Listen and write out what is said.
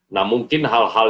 nah mungkin hal hal